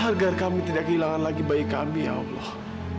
agar kami tidak kehilangan lagi bayi kami ya allah